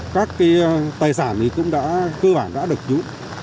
các tài sản cũng đã cơ bản được chú